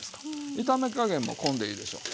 炒め加減もこんでいいでしょ。